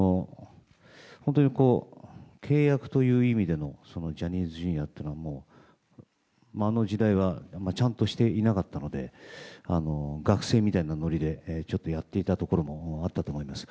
本当に契約という意味でのジャニーズＪｒ．というのはあの時代はちゃんとしていなかったので学生みたいなノリでちょっとやっていたところもあったと思います。